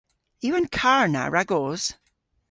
Yw an karr na ragos?